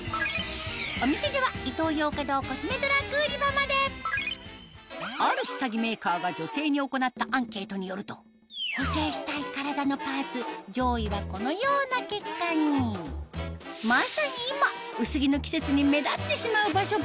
お店ではある下着メーカーが女性に行ったアンケートによると補整したい体のパーツ上位はこのような結果にまさに今ここだここだ。